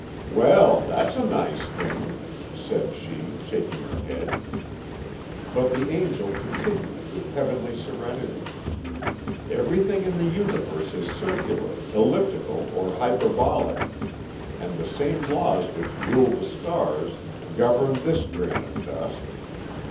"Well that's a nice thing!" said she, shaking her head. But the Angel continued with heavenly serenity: "Everything in the Universe is circular, elliptical, or hyperbolic, and the same laws which rule the stars govern this grain of dust.